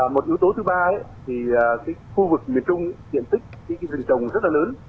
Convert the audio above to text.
một yếu tố thứ ba thì khu vực miền trung diện tích rừng trồng rất là lớn